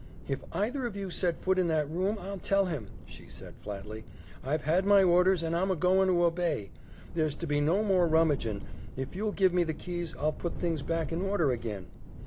"If either of you set foot in that room, I'll tell him," she said flatly. "I've had my orders and I'm a goin' to obey. There's to be no more rummagin'. If you'll give me the keys I'll put things back in order ag'in."